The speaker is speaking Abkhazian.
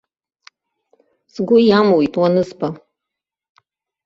Сгәы иамуит уанызба.